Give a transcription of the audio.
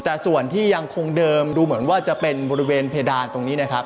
แต่ส่วนที่ยังคงเดิมดูเหมือนว่าจะเป็นบริเวณเพดานตรงนี้นะครับ